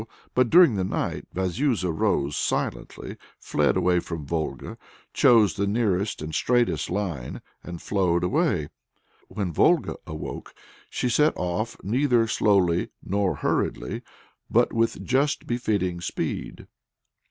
But during the night Vazuza rose silently, fled away from Volga, chose the nearest and the straightest line, and flowed away. When Volga awoke, she set off neither slowly nor hurriedly, but with just befitting speed.